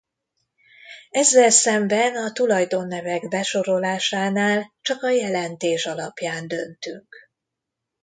Ezzel szemben a tulajdonnevek besorolásánál csak a jelentés alapján döntünk.